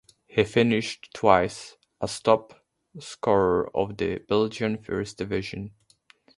He finished twice as top scorer of the Belgian First Division.